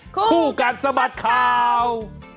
คู่กันสมัดข่าว